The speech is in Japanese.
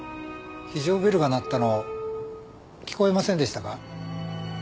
非常ベルが鳴ったの聞こえませんでしたか？